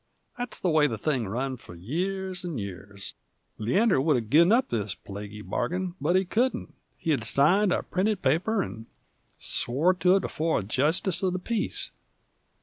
That's the way the thing run f'r years 'nd years. Leander would 've gin up the plaguy bargain, but he couldn't; he had signed a printed paper 'nd had swore to it afore a justice of the peace.